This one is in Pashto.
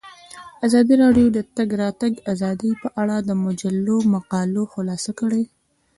ازادي راډیو د د تګ راتګ ازادي په اړه د مجلو مقالو خلاصه کړې.